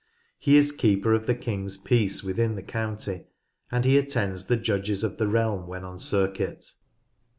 He is Keeper of the King's Peace within the county, and he attends the judges of the realm when on circuit.